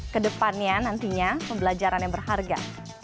kedepannya nantinya pembelajaran yang berharga